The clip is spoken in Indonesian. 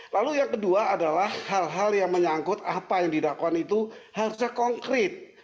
lalu yang kedua adalah hal hal yang menyangkut apa yang didakwaan itu harusnya konkret